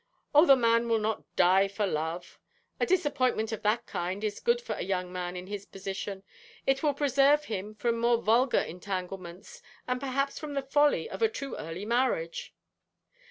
'Oh, the man will not die for love. A disappointment of that kind is good for a young man in his position. It will preserve him from more vulgar entanglements, and perhaps from the folly of a too early marriage.'